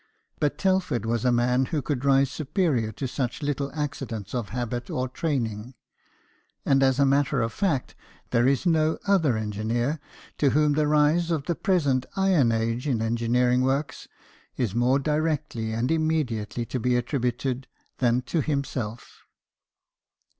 But Telford was a man who could rise superior to such little accidents of habit or training ; and as a matter of fact there is no other engineer to whom the rise of the present "iron age" in engineering work is more directly and immediately to be attributed than to himself.